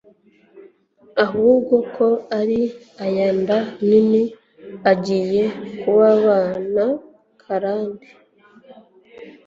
Ahubwo ko ari ya nda nini igiye kubabana karande